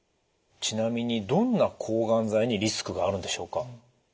ちなみにどんな抗がん剤にリスクがあるんでしょうか？